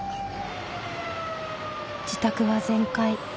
自宅は全壊。